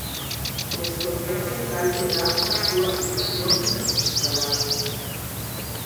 Descoñecen cal será a súa situación na desescalada.